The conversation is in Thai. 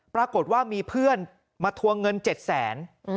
ปรากฏว่ามีเพื่อนมาทวงเงิน๗๐๐๐๐๐บาท